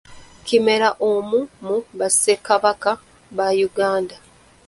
Kimera omu mu bassekabaka ba uganda.